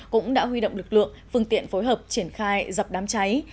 cũng đã huy động lực lượng phương tiện phối hợp triển khai dập đám cháy